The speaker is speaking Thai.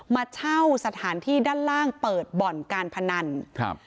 มาเช่าสถานที่ด้านล่างเปิดบ่อนการพนันครับ